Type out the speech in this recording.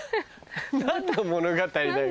何の物語だよ？